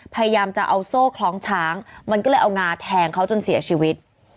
พยายามจะเอาโซ่คล้องช้างมันก็เลยเอางาแทงเขาจนเสียชีวิต